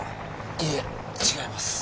いいえ違います。